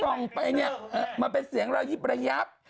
ส่องไปเนี่ยมันเป็นเสียงระยิบระยับ